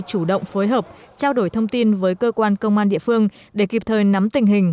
chủ động phối hợp trao đổi thông tin với cơ quan công an địa phương để kịp thời nắm tình hình